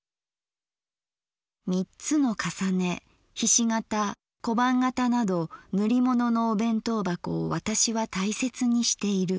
「三つの重ね菱形小判型など塗り物のお弁当箱を私は大切にしている。